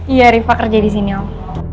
iya rifa kerja disini om